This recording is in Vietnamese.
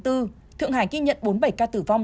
thượng hải ghi nhận bốn mươi bảy ca tử vong